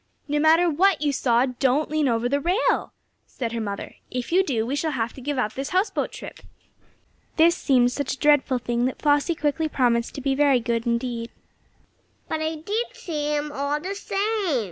"No matter what you saw don't lean over the rail!" said her mother. "If you do, we shall have to give up this houseboat trip." This seemed such a dreadful thing, that Flossie quickly promised to be very careful indeed. "But I did see him, all the same!"